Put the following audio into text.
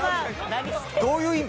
どういう意味？